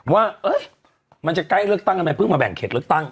ว่ามันจะใกล้เลือกตั้งทำไมเพิ่งมาแบ่งเขตเลือกตั้ง